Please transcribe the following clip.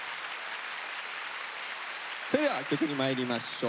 それでは曲にまいりましょう。